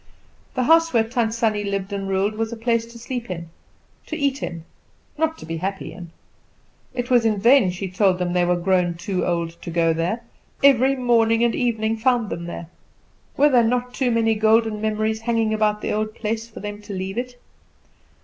The house where Tant Sannie lived and ruled was a place to sleep in, to eat in, not to be happy in. It was in vain she told them they were grown too old to go there; every morning and evening found them there. Were there not too many golden memories hanging about the old place for them to leave it?